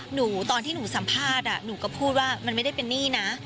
ตอนที่หนูสัมภาษณ์หนูก็พูดว่ามันไม่ได้เป็นหนี้นะ